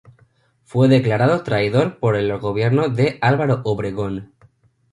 Fue declarado traidor por el gobierno de Álvaro Obregón.